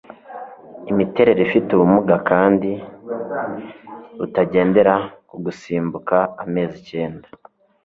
imiterere ifite ubumuga kandi butagendera ku gusimbuka amezi icyenda